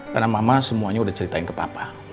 karena mama semuanya udah ceritain ke papa